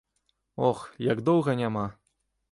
Ох, як доўга няма.